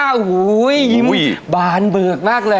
ครั้งที่๕โอ้ยยิ้มบานเบือกมากเลย